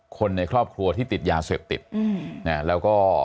คนในครอบครัวที่ติดยาเสพติดแล้วก็